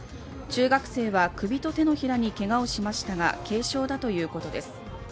中学生は首と手のひらにけがをしましたが、軽傷だということです。